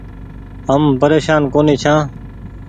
هم پريشان ڪونيٚ ڇآن۔